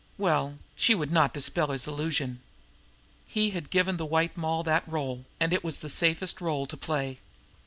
Well, she would not dispel his illusion! He had given the White Moll that role and it was the safest role to play.